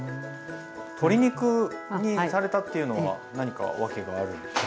鶏肉にされたっていうのは何か訳があるんですか？